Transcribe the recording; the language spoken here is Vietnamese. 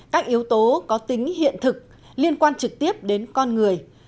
các yếu tố có tính hiện thực liên quan trực tiếp đến con người